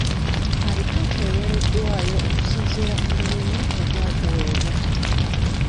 Alipoota eweereddwayo okusinziira ku mulimu ogwatuweebwa.